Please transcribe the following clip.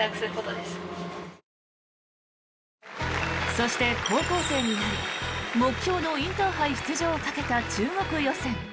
そして、高校生になり目標のインターハイ出場をかけた中国予選。